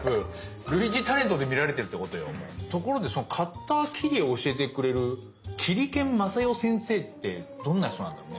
ところでカッター切り絵を教えてくれる切り剣Ｍａｓａｙｏ先生ってどんな人なんだろうね。